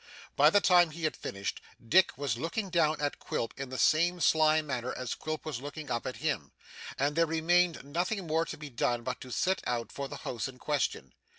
By the time he had finished, Dick was looking down at Quilp in the same sly manner as Quilp was looking up at him, and there remained nothing more to be done but to set out for the house in question.